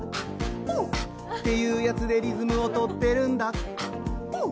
アッというやつでリズムをとってるんだ、フォー。